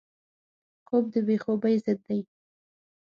خوب د بې خوبۍ ضد دی